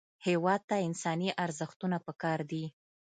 هېواد ته انساني ارزښتونه پکار دي